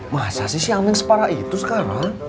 masa sih si aming separa itu sekarang